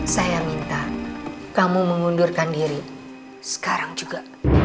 saya minta kamu mengundurkan diri sekarang juga